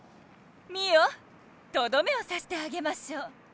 ミオとどめをさしてあげましょう。